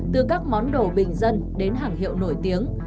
từ các món đồ bình dân đến hàng hiệu nổi tiếng